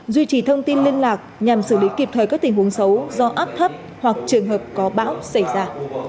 duy trì thông tin liên lạc nhằm xử lý kịp thời các tình huống xấu do áp thấp hoặc trường hợp có bão xảy ra